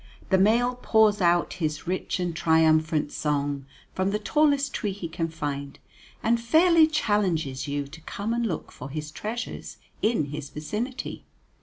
The male pours out his rich and triumphant song from the tallest tree he can find, and fairly challenges you to come and look for his treasures in his vicinity.